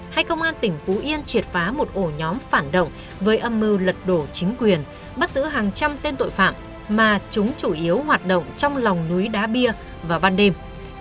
hay công an tỉnh phú yên triệt phá một ổ nhóm phản động với âm mưu lật đổ chính quyền bắt giữ hàng trăm tên tội phạm mà chúng chủ yếu hoạt động trong lòng núi đá bia vào ban đêm